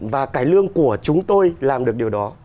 và cải lương của chúng tôi làm được điều đó